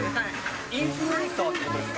インフルエンサーってことですか？